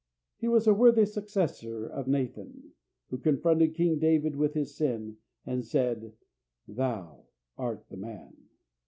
He was a worthy successor of Nathan, who confronted King David with his sin, and said, "Thou art the man."